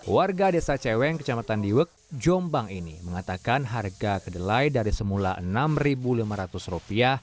warga desa ceweng kecamatan diwek jombang ini mengatakan harga kedelai dari semula rp enam lima ratus